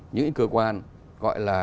những cơ quan gọi là